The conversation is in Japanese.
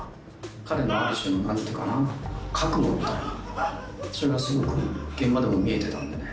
彼のある種の何ていうかな覚悟みたいなそれがすごく現場でも見えてたんでね